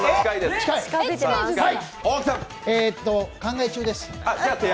考え中です。